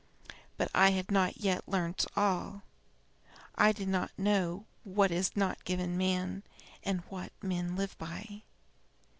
But I had not yet learnt all. I did not yet know What is not given to man, and What men live by.